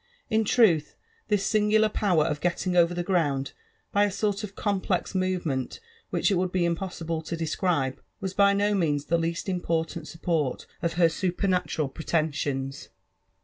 In truth, this singular power of getting over th« gi'ound by a sort of complex movement which it would be impossible to describe, was by no means the least important support of her super* paturel pretensions.